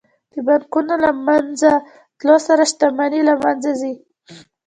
د بانکونو له منځه تلو سره شتمني له منځه ځي